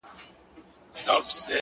زما د زړه کوچۍ پر سپينه زنه خال وهي!